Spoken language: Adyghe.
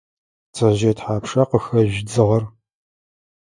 Пцэжъые тхьапша къыхэжъу дзыгъэр?